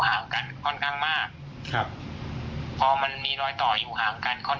ห่างกันค่อนข้างมากครับพอมันมีรอยต่ออยู่ห่างกันค่อน